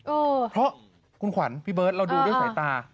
เออเพราะคุณขวัญพี่เบิร์ตเราดูด้วยสายตา